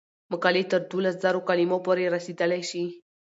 مقالې تر دولس زره کلمو پورې رسیدلی شي.